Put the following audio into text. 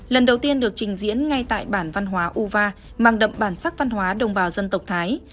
lần đầu tiên được trình diễn ngay tại bản văn hóa uva mang đậm bản sắc văn hóa đồng bào dân tộc thái